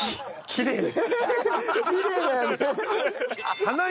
「ききれい」。